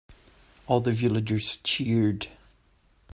All the villagers cheered.